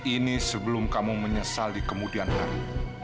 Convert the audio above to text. ini sebelum kamu menyesal di kemudian hari